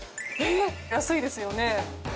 安いですよね。